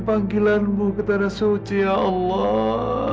panggilanmu ke tanah suci ya allah